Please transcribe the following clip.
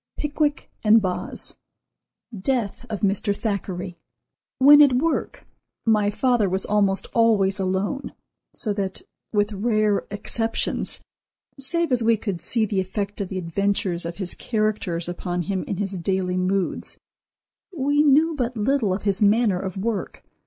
—"Pickwick" and "Boz."—Death of Mr. Thackeray. When at work my father was almost always alone, so that, with rare exceptions, save as we could see the effect of the adventures of his characters upon him in his daily moods, we knew but little of his manner of work.